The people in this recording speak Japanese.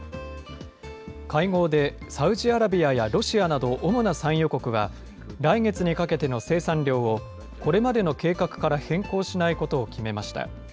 会合でサウジアラビアや、ロシアなど、主な産油国は、来月にかけての生産量を、これまでの計画から変更しないことを決めました。